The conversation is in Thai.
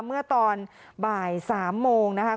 เมื่อตอนบ่าย๓โมงนะคะ